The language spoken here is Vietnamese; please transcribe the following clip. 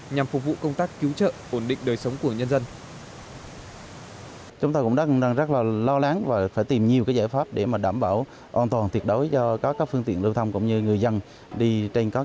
nhằm phục vụ công tác cứu trợ ổn định đời sống của nhân dân